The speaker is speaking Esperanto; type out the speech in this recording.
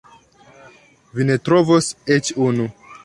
Vi ne trovos eĉ unu.